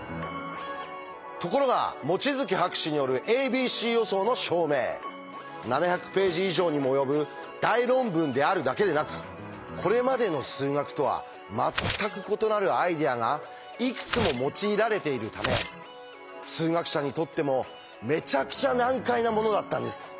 ところが望月博士による「ａｂｃ予想」の証明７００ページ以上にも及ぶ大論文であるだけでなくこれまでの数学とは全く異なるアイデアがいくつも用いられているため数学者にとってもめちゃくちゃ難解なものだったんです。